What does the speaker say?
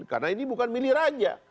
karena ini bukan milih raja